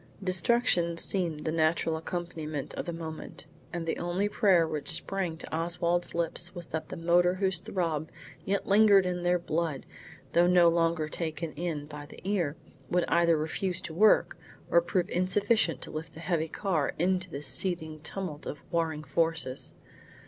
Destruction seemed the natural accompaniment of the moment, and the only prayer which sprang to Oswald's lips was that the motor whose throb yet lingered in their blood though no longer taken in by the ear, would either refuse to work or prove insufficient to lift the heavy car into this seething tumult of warring forces.